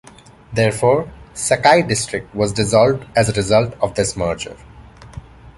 Therefore, Sakai District was dissolved as a result of this merger.